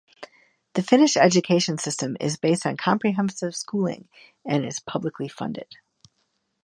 The Finnish education system is based on comprehensive schooling and is publicly funded.